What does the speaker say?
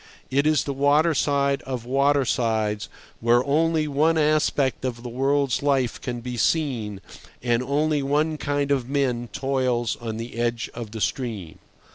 It is the waterside of watersides, where only one aspect of the world's life can be seen, and only one kind of men toils on the edge of the stream.